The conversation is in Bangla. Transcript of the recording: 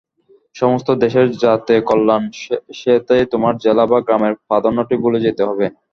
সমস্ত দেশের যাতে কল্যাণ, সেথা তোমার জেলা বা গ্রামের প্রাধান্যটি ভুলে যেতে হবে।